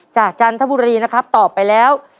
จันทบุรีนะครับตอบไปแล้ว